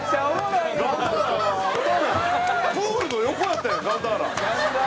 プールの横やったんやガンダーラ！